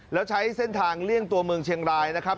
แล้วใช้เส้นทางเลี่ยงตัวเมืองเชียงรายนะครับ